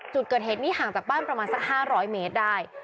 จุดเกิดเหตุนี้ห่างจากบ้านประมาณสัก๕๐๐เมตรได้